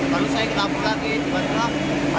lalu saya ketapukan ini juga